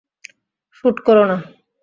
Shoot করো না!